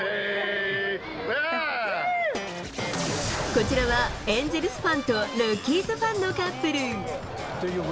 こちらは、エンゼルスファンとロッキーズファンのカップル。